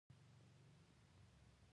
مالګه انسان ته قوه ورکوي.